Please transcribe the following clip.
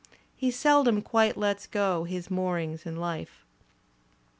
He seldom quite lets go his moorings in life.